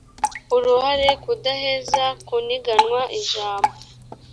uruhare kudaheza kuniganwa ijambo